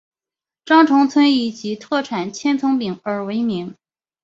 鄣城村以其特产千层饼而闻名。